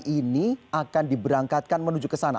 mungkin hari ini akan diberangkatkan menuju ke sana